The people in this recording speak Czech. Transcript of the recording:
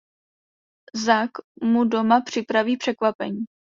Zack mu doma připraví překvapení.